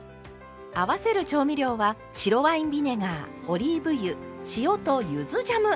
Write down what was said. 合わせる調味料は白ワインビネガーオリーブ油塩とゆずジャム！